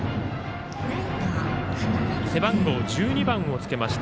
背番号１２番をつけました